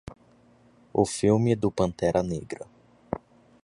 O filme do Pantera Negra.